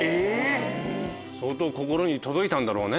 相当心に届いたんだろうね。